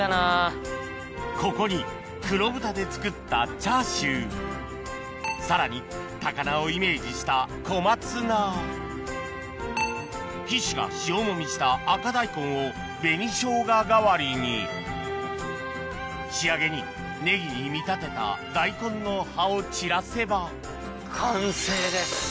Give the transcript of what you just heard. ここに黒豚で作ったチャーシューさらに高菜をイメージした小松菜岸が塩もみした赤大根を紅生姜代わりに仕上げにネギに見立てた大根の葉を散らせば完成です